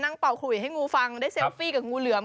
เป่าขุยให้งูฟังได้เซลฟี่กับงูเหลือม